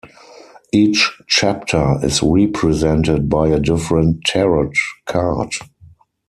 Each chapter is represented by a different Tarot card.